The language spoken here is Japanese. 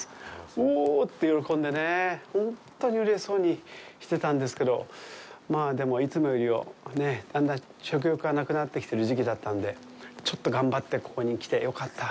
おぉって喜んでね、ほんとにうれしそうにしてたんですけど、まぁ、でも、いつもよりは、ねぇ、だんだん食欲がなくなってきてる時期だったので、ちょっと頑張ってここに来てよかった。